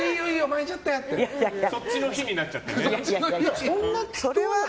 そっちの日になっちゃってね。